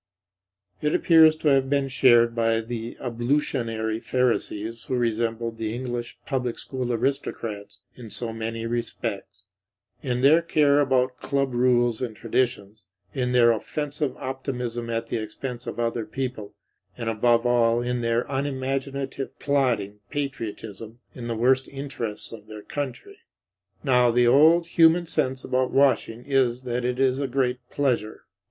It appears to have been shared by the ablutionary Pharisees, who resembled the English public school aristocrats in so many respects: in their care about club rules and traditions, in their offensive optimism at the expense of other people, and above all in their unimaginative plodding patriotism in the worst interests of their country. Now the old human common sense about washing is that it is a great pleasure.